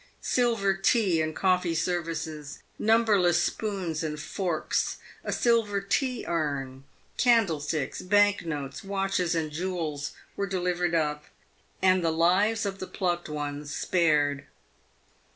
Silver tea and coffee ser vices, numberless spoons and forks, a silver tea urn, candlesticks, bank notes, watches, and jewels, were delivered up, and the lives of the plucked ones spared.